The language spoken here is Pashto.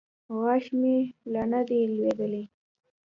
غاښ مې لا نه و لوېدلى.